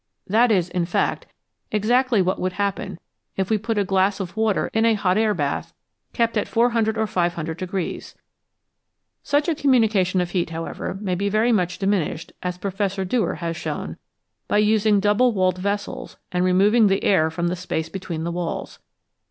That is, in fact, exactly what would happen if we put a glass of water in a hot air bath kept at 400 or 500. Such a communication of heat, however, may be very much diminished, as Professor Dewar has shown, by using double walled vessels and removing the air from the space bet \\CIMI fhe walls.